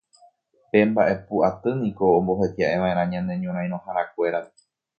Pe Mba'epu Aty niko omboheti'eva'erã ñane ñorairõharakuérape